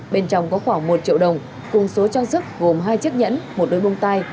bên trong có khoảng một triệu đồng cùng số trang sức gồm hai chiếc nhẫn một đôi bông tai